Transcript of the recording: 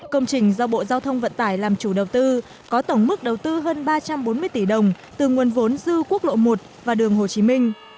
công trình do bộ giao thông vận tải làm chủ đầu tư có tổng mức đầu tư hơn ba trăm bốn mươi tỷ đồng từ nguồn vốn dư quốc lộ một và đường hồ chí minh